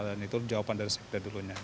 dan itu jawaban dari sekte dulunya